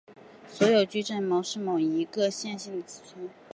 所有矩阵群是某个一般线性群的子群。